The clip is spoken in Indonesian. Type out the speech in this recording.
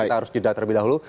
kita harus jeda terlebih dahulu